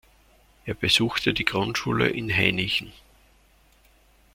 Er besuchte die Grundschule in Hainichen.